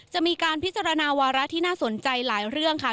จะมีการพิจารณาวาระที่น่าสนใจหลายเรื่องค่ะ